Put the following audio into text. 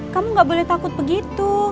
kamu gak boleh takut begitu